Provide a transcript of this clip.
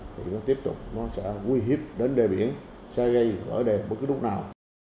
thì nó tiếp tục nó sẽ nguy hiểm đến đề biển sẽ gây vỡ đề bất cứ lúc nào